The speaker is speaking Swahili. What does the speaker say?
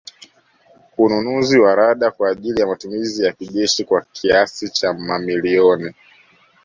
Ununuzi wa Rada kwa ajili ya matumizi ya kijeshi kwa kiasi cha mamilioni